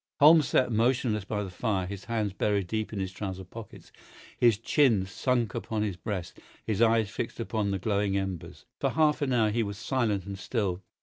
Holmes sat motionless by the fire, his hands buried deep in his trouser pockets, his chin sunk upon his breast, his eyes fixed upon the glowing embers. For half an hour he was silent and still.